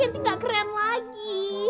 nanti nggak keren lagi